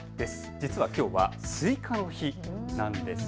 実はきょうはスイカの日なんです。